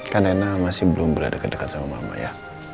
karena nena masih belum berada kedekat sama mama ya